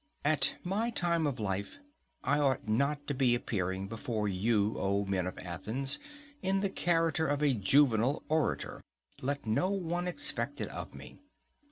at my time of life I ought not to be appearing before you, O men of Athens, in the character of a juvenile orator—let no one expect it of me.